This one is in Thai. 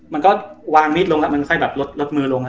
มันก็วางมิ้นลงละมันค่อยลดมือลง